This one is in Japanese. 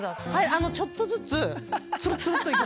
ちょっとずつつるつるっといく。